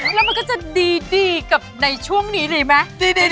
แล้วมันก็จะดีกับในช่วงนี้ดีไหม